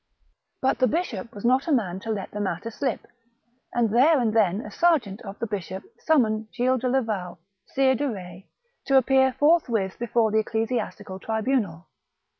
But the bishop was not a man to let the matter THE MAU:^C1IAL DE KETZ. • 231 slip, and there and then a sergeant of the bishop summoned GiUes de Laval, Sire de Betz, to appear forthwith before the ecclesiastical tribunal.